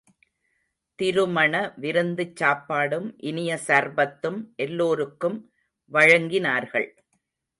திருமண விருந்துச் சாப்பாடும் இனிய சர்பத்தும் எல்லோருக்கும் வழங்கினார்கள்.